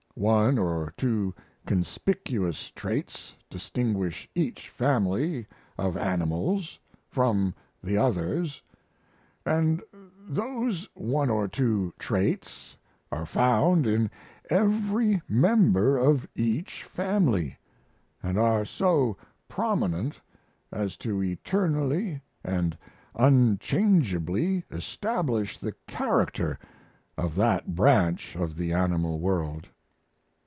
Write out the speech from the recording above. One or two conspicuous traits distinguish each family of animals from the others, and those one or two traits are found in every member of each family, and are so prominent as to eternally and unchangeably establish the character of that branch of the animal world.